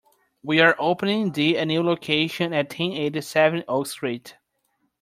We are opening the a new location at ten eighty-seven Oak Street.